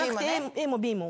ＡもＢも？